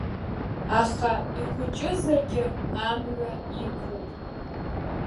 Аха ихәыҷызаргьы амҩа иқәуп.